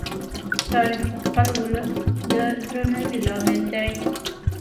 تاریخ د خپل ولس د درناوي لامل دی.